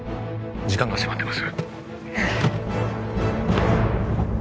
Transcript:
時間が迫ってます